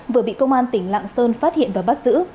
vừa bị công an tỉnh lạng sơn phát hiện và bắt giữ